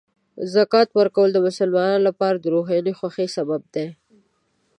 زکات ورکول د مسلمانانو لپاره د روحاني خوښۍ سبب دی.